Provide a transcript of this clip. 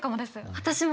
私も！